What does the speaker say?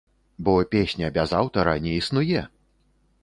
Бо песня без аўтара не існуе!